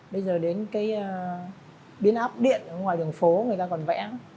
bây giờ đến cái biến áp điện ngoài đường phố người ta còn vẽ